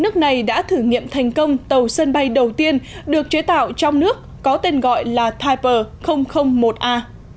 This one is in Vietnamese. cuộc thành công tàu sân bay đầu tiên được chế tạo trong nước có tên gọi là type một a